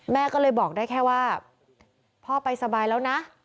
แม่ก็เลยบอกได้แค่ว่าพ่อไปสบายแล้วนะ